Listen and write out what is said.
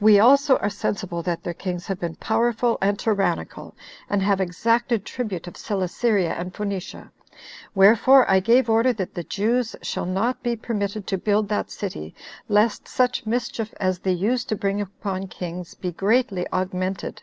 We also are sensible that their kings have been powerful and tyrannical, and have exacted tribute of Celesyria and Phoenicia. Wherefore I gave order, that the Jews shall not be permitted to build that city, lest such mischief as they used to bring upon kings be greatly augmented."